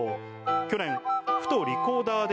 去年ふとリコーダーで